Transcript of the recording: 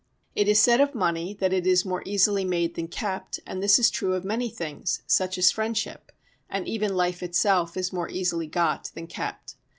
It is said of money that it is more easily made than kept and this is true of many things, such as friendship; and even life itself is more easily got than kept.